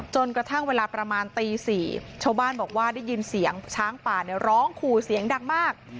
จนกระทั่งเวลาประมาณตี๔ชาวบ้านบอกว่าได้ยินเสียงช้างป่าเนี่ยร้องขู่เสียงดังมาก